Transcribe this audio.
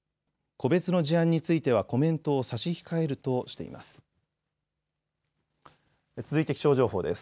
個別の事案についてはコメントを差し控えるとしています。